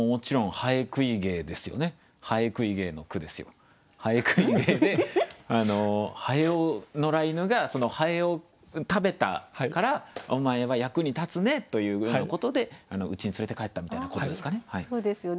蠅食ひ芸で蠅を野良犬が蠅を食べたからお前は役に立つねというふうなことでうちに連れて帰ったみたいなことですかね。